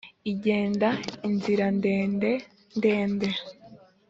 igenda inzira ndende, ndende.